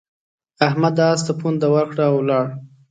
احمد اس ته پونده ورکړه او ولاړ.